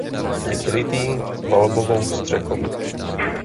Je krytý valbovou střechou.